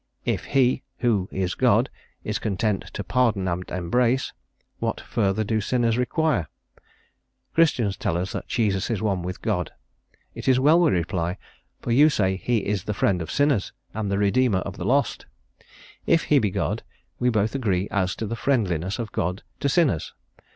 If he, who is God, is content to pardon and embrace, what further do sinners require? Christians tell us that Jesus is one with God: it is well, we reply; for you say he is the Friend of sinners, and the Redeemer of the lost. If he be God, we both agree as to the friendliness of God to sinners.